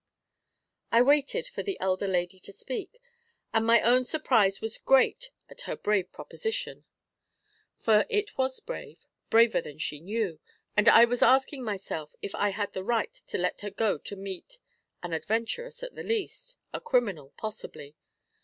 I waited for the elder lady to speak, and my own surprise was great at her brave proposition for it was brave, braver than she knew; and I was asking myself if I had the right to let her go to meet an adventuress at the least, a criminal possibly.